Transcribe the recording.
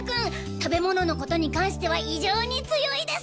食べ物のことに関しては異常に強いです！